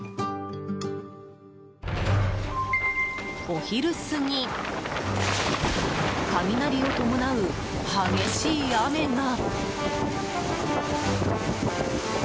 お昼過ぎ雷を伴う激しい雨が。